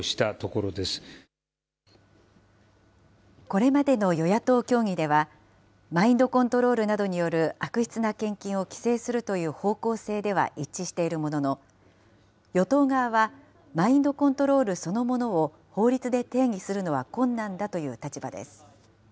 これまでの与野党協議では、マインドコントロールなどによる悪質な献金を規制するという方向性では一致しているものの、与党側はマインドコントロールそのものを、法律で定義するのは困難だという立場です。